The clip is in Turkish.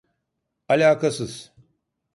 Alakasız.